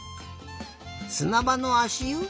すなばのあしゆ？